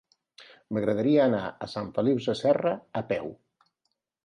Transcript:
M'agradaria anar a Sant Feliu Sasserra a peu.